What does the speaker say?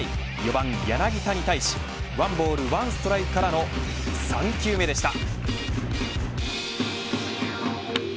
４番、柳田に対し１ボール１ストライクからの３球目でした。